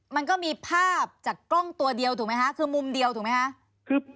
มันก็มีภาพจากกล้องตัวเดียวถูกไหมคะคือมุมเดียวถูกไหมคะ